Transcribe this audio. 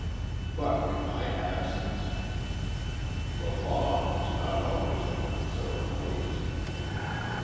"But, in my absence!" "The law is not always over ceremonious."